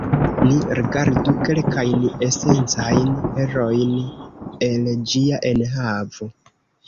Ni rigardu kelkajn esencajn erojn el ĝia enhavo.